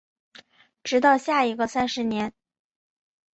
直到下一个三十年